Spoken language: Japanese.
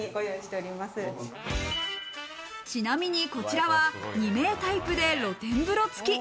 ちなみに、こちらは２名タイプで露天風呂付き。